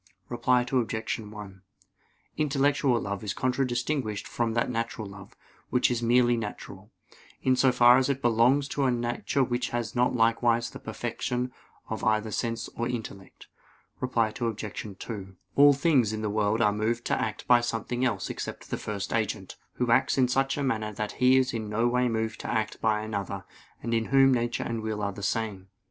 Reply Obj. 1: Intellectual love is contradistinguished from that natural love, which is merely natural, in so far as it belongs to a nature which has not likewise the perfection of either sense or intellect. Reply Obj. 2: All things in the world are moved to act by something else except the First Agent, Who acts in such a manner that He is in no way moved to act by another; and in Whom nature and will are the same.